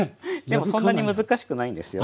でもそんなに難しくないんですよ。